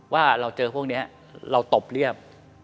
ว่าเราเจอพวกนี้เราตบเรียบ